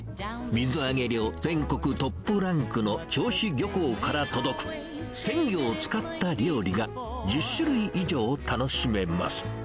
水揚げ量全国トップランクの銚子漁港から届く鮮魚を使った料理が、１０種類以上楽しめます。